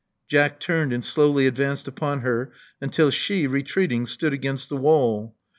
Jack turned and slowly advanced upon her until she, retreating, stood against the wall.